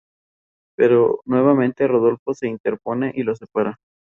Se pasa de un club fundamentalmente universitario, a un club de formación.